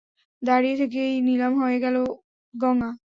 দাঁড়িয়ে থেকেই নিলাম হয়ে গেলো গঙা।